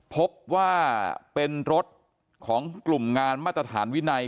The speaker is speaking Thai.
พบว่าเป็นรถของกลุ่มงานมาตรฐานวินัย